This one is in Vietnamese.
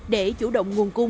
để chủ đề gạo